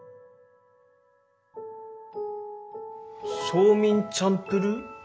ソーミンチャンプルー？